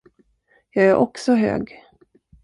Jag är också hög.